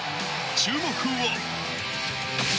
注目は。